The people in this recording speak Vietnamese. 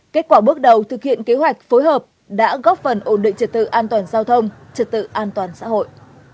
kết quả bước đầu thực hiện kế hoạch phối hợp đã góp phần ổn định trật tự an toàn giao thông trật tự an toàn xã hội